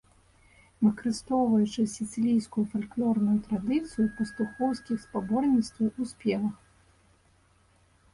Выкарыстоўваючы сіцылійскую фальклорную традыцыю пастухоўскіх спаборніцтваў у спевах.